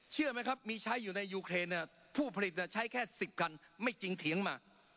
เชื่อไหมครับมีใช้อยู่ในยูเครนผู้ผลิตใช้แค่๑๐คันไม่จริงเถียงมา